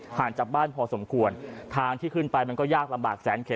ห่างจากบ้านพอสมควรทางที่ขึ้นไปมันก็ยากลำบากแสนเข็